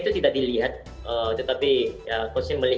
dan saya juga bisa memperbaiki kemahiran saya